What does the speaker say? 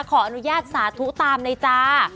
ขออนุญาตสาธุตามเลยจ้า